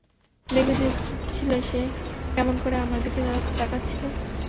দেখেছিলে সে কেমন করে আমার দিকে তাকাচ্ছিলো?